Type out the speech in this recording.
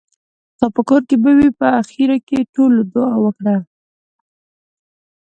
ستاپه کور کې به وي. په اخېر کې ټولو دعا وکړه .